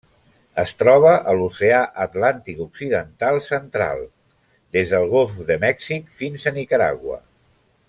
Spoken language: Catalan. Es troba a l'Oceà Atlàntic occidental central: des del Golf de Mèxic fins a Nicaragua.